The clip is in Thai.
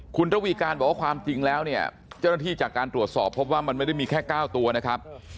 คุณระวีการบอกว่าความจริงแล้วเนี่ยเจ้าหน้าที่จากการตรวจสอบพบว่ามันไม่ได้มีแค่๙ตัวนะครับ